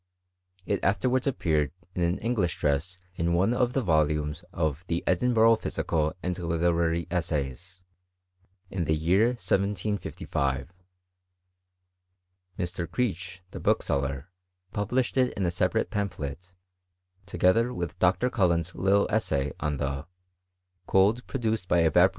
It afterwaidl ' appeared in an English dress in one of the volumes of The Edinburgh Physical and Literary Essays, in ibBf year 1755. Mr. Creech, the bookseller, published it^ in a separate pamphlet, together with Dr. CuUenli' little essay on the '^cold produced by evaporating!